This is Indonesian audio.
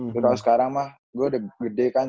terus sekarang mah gua udah gede kan